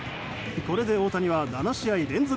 これで大谷は７試合連続